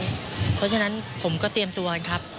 เพราะฉะนั้นผมก็เตรียมตัวกันครับ